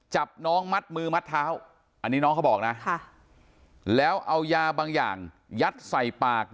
จับน้องมัดมือมัดเท้าอันนี้น้องเขาบอกนะแล้วเอายาบางอย่างยัดใส่ปาก